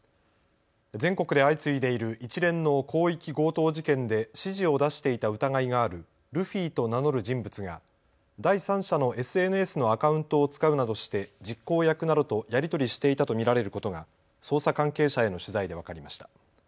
全国で相次いでいる一連の広域強盗事件で指示を出していた疑いがあるルフィと名乗る人物が第三者のＳＮＳのアカウントを使うなどして実行役などとやり取りしていたと見られることが捜査関係者への取材で分かりました。